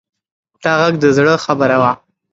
دا غږ د زړه خبره وه.